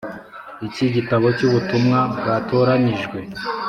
Iki gitabo cy’Ubutumwa Bwatoranyijwe,